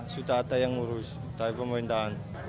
sudah ada yang ngurus tapi pemerintahan